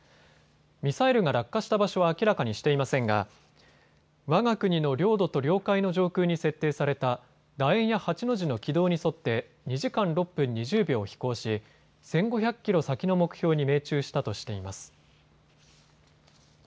ミサイルが落下した場所は明らかにしていませんがわが国の領土と領海の上空に設定されただ円や８の字の軌道に沿って２時間６分２０秒飛行し１５００キロ先の目標に命中したとしています。